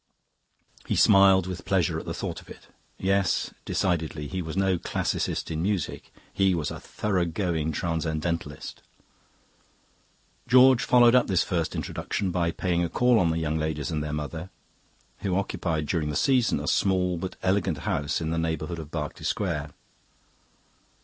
He smiled with pleasure at the thought of it. Yes, decidedly, he was no classicist in music; he was a thoroughgoing transcendentalist. "George followed up this first introduction by paying a call on the young ladies and their mother, who occupied, during the season, a small but elegant house in the neighbourhood of Berkeley Square.